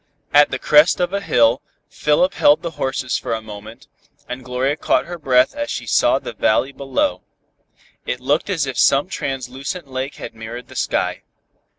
At the crest of a hill, Philip held the horses for a moment, and Gloria caught her breath as she saw the valley below. It looked as if some translucent lake had mirrored the sky.